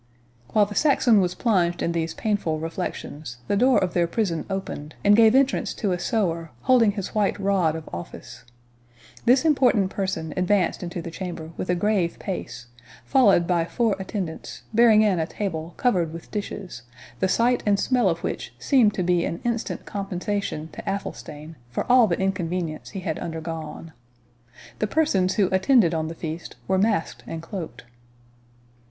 While the Saxon was plunged in these painful reflections, the door of their prison opened, and gave entrance to a sewer, holding his white rod of office. This important person advanced into the chamber with a grave pace, followed by four attendants, bearing in a table covered with dishes, the sight and smell of which seemed to be an instant compensation to Athelstane for all the inconvenience he had undergone. The persons who attended on the feast were masked and cloaked.